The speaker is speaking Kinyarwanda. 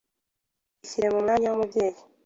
Ishyire mu mwanya w’umubyeyi,